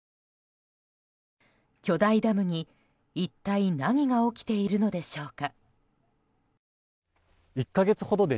巨大ダムに一体何が起きているのでしょうか。